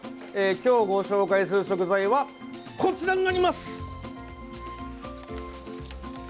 今日ご紹介する食材はこちらになります！